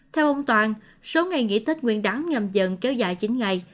theo ông toàn số ngày nghỉ tết nguyên đáng nhầm dần dần kéo dài chín ngày